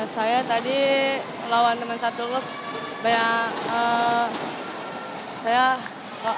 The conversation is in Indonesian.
saya tadi melawan teman satu klub banyak saya melawan